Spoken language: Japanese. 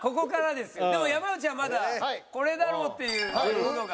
でも山内はまだこれだろうっていうものが。